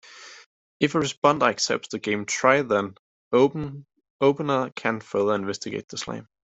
If responder accepts the game try, then opener can further investigate the slam.